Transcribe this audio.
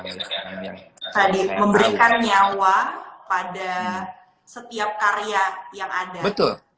tadi memberikan nyawa pada setiap karya yang ada